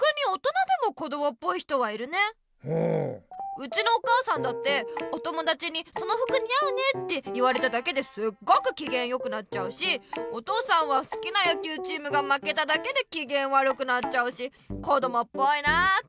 うちのお母さんだってお友だちに「そのふくにあうね」って言われただけですっごくきげんよくなっちゃうしお父さんはすきなやきゅうチームがまけただけできげんわるくなっちゃうしこどもっぽいなって思うよ。